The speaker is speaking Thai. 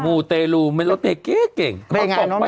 มูเตลูเมล็ดเต๊ะเก๋เก่งเขาตกไปไง